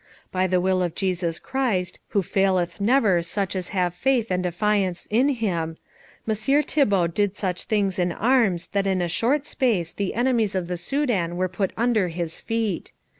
By the will of Jesus Christ, who faileth never such as have faith and affiance in Him, Messire Thibault did such things in arms that in a short space the enemies of the Soudan were put under his feet.